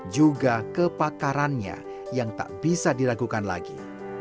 juga kepakarannya yang tak bisa diragukan lagi